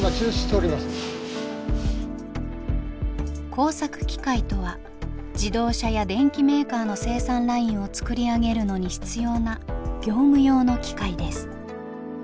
工作機械とは自動車や電機メーカーの生産ラインを作り上げるのに必要な業務用の機械です。